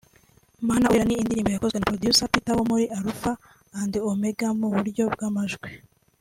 'Mana urera' ni indirimbo yakozwe na producer Peter wo muri Alpha and Omega mu buryo bw'amajwi